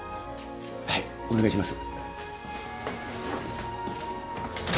はいお願いします。